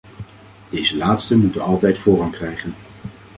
Deze laatsten moeten altijd voorrang krijgen.